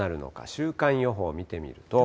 週間予報見てみると。